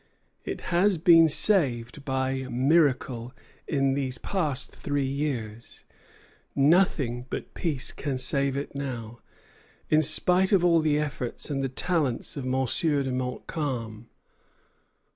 "It has been saved by miracle in these past three years; nothing but peace can save it now, in spite of all the efforts and the talents of M. de Montcalm."